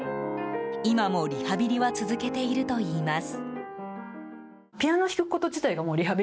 今もリハビリは続けているといいます。